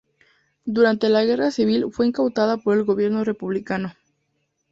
Durante la guerra civil fue incautada por el gobierno republicano.